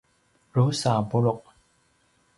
drusa a puluq